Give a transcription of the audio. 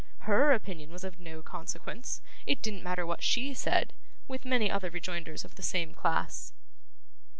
HER opinion was of no consequence, it didn't matter what SHE said, with many other rejoinders of the same class.